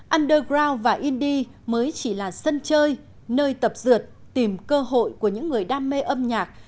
underground và indie mới chỉ là sân chơi nơi tập dượt tìm cơ hội của những người đam mê âm nhạc